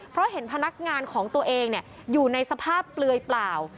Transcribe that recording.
เพราะเห็นพนักงานของตัวเองอยู่ในสภาพเปลือยเปล่า